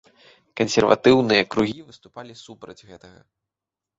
Кансерватыўныя кругі выступалі супраць гэтага.